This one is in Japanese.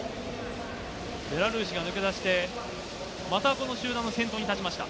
ベラルーシが抜け出して、またこの集団の先頭に立ちました。